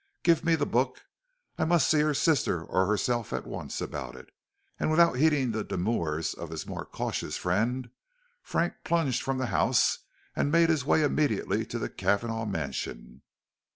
Give me the book; I must see her sister or herself at once about it." And without heeding the demurs of his more cautious friend, Frank plunged from the house and made his way immediately to the Cavanagh mansion.